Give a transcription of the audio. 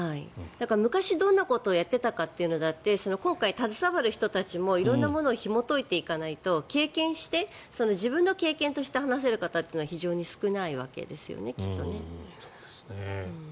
昔どんなことをやっていたのかってことだって今回、携わる人だって色んなことをひもとかないと経験として自分の経験として話せる方は非常に少ないわけですよねきっとね。